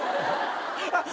あっ。